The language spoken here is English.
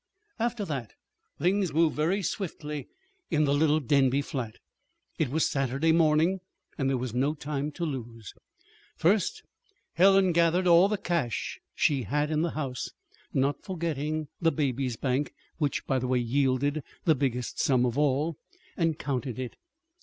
After that things moved very swiftly in the little Denby flat. It was Saturday morning, and there was no time to lose. First, Helen gathered all the cash she had in the house, not forgetting the baby's bank (which yielded the biggest sum of all), and counted it.